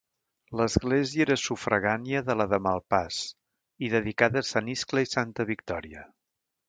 L'església era sufragània de la de Malpàs, i dedicada a sant Iscle i santa Victòria.